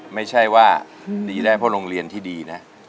ไม่ใช่ว่าดีได้เพราะโรงเรียนที่ดีนะ